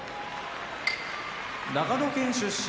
長野県出身